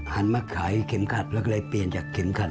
หันมาขายเข็มขัดแล้วก็เลยเปลี่ยนจากเข็มขัด